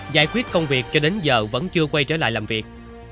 giải quyết công việc cho đến giờ vẫn chưa quay trở lại làm việc